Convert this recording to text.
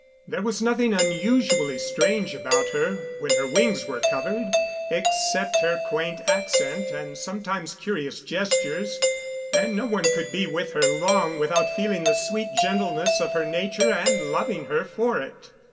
There was nothing unusually strange about her, when her wings were covered, except her quaint accent and sometimes curious gestures; and no one could be with her long without feeling the sweet gentleness of her nature and loving her for it.